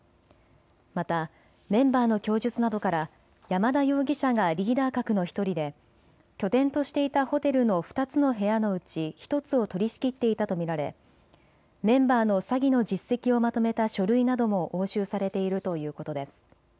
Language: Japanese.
またメンバーの供述などから山田容疑者がリーダー格の１人で拠点としていたホテルの２つの部屋のうち１つを取りしきっていたと見られメンバーの詐欺の実績をまとめた書類なども押収されているということです。